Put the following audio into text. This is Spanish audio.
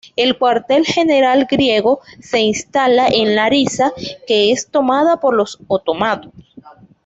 El cuartel general griego se instala en Larissa, que es tomada por los otomanos.